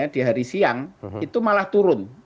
di hari siang itu malah turun